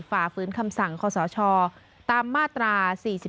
ฝ่าฝืนคำสั่งข้อสอชอตามมาตรา๔๔